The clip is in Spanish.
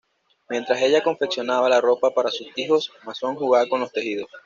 Mientras ella confeccionaba la ropa para sus hijos, Mason jugaba con los tejidos.